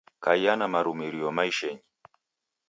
Kaiya na marumirio maishenyi.